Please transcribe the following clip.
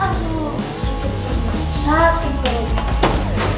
aduh sakit bener sakit bener